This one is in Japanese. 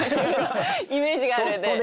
イメージがあるんで。